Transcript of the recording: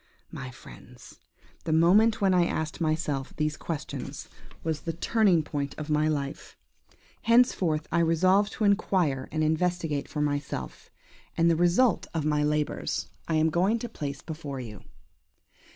My friends! the moment when I asked myself these questions was the turning point of my life. Henceforth I resolved to inquire and investigate for myself, and the result of my labours I am going to place before you.